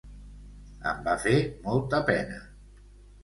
Em va fer molta pena.